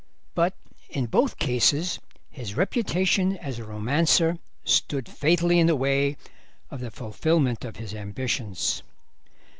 But in both cases his reputation as a romancer stood fatally in the way of the fulfilment of his ambitions.